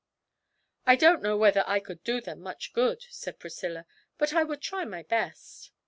'I don't know whether I could do them much good,' said Priscilla, 'but I would try my best.'